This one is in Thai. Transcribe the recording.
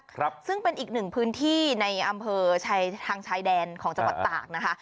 ครับซึ่งเป็นอีกหนึ่งพื้นที่ในอำเภอชายทางชายแดนของจังหวัดตากนะคะ